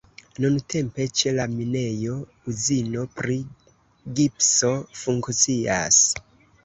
Nuntempe ĉe la minejo uzino pri gipso funkcias.